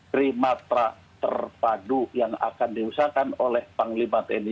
trimat terpadu yang akan diusahakan oleh panglima tni